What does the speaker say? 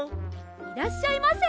いらっしゃいませ。